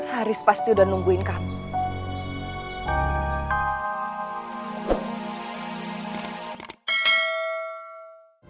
haris pasti udah nungguin kamu